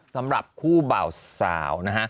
สำหรับคู่เบาสาว